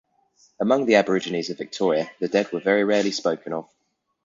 Among the aborigines of Victoria, the dead were very rarely spoken of.